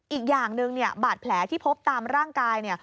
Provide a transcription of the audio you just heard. อีกอย่างหนึ่งเนี่ยบาดแผลที่พบตามร่างกายเนี่ย